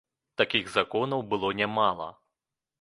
Такіх законаў было нямала.